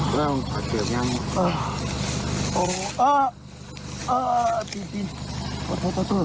ว่ามือใคร